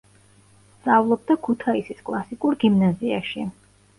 სწავლობდა ქუთაისის კლასიკურ გიმნაზიაში.